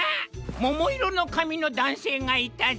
ももいろのかみのだんせいがいたぞ！